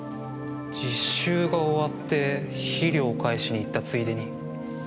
実習が終わって肥料を返しに行ったついでに。